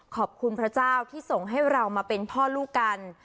พระเจ้าที่ส่งให้เรามาเป็นพ่อลูกกัน